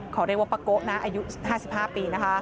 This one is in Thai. เขาเรียกว่าปะโกะนะอายุ๕๕ปีนะคะ